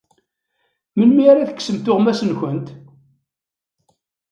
Melmi ara ad tekksemt tuɣmas-nkent?